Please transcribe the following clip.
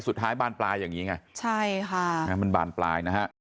สุดท้ายบานปลายอย่างนี้ไงใช่ค่ะมันบานปลายนะฮะ